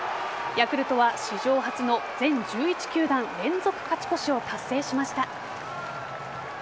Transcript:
ヤクルトは史上初の全１１球団連続勝ち越しを達成しました。